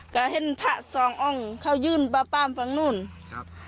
ก็เห็นพระสององค์เขายื่นปลาป้ามฝั่งนู้นครับ